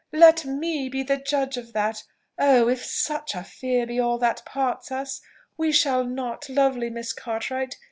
"Let me be the judge of that! Oh! if such a fear be all that parts us, we shall not, lovely Miss Cartwright!